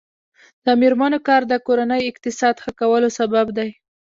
د میرمنو کار د کورنۍ اقتصاد ښه کولو سبب دی.